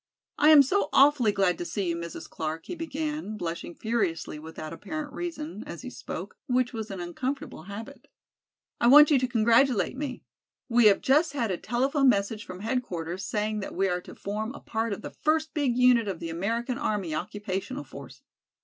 "I am so awfully glad to see you, Mrs. Clark," he began, blushing furiously without apparent reason, as he spoke, which was an uncomfortable habit. "I want you to congratulate me. We have just had a telephone message from headquarters saying that we are to form a part of the first big unit of the American army occupational force.